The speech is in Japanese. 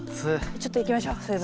ちょっといきましょう水分。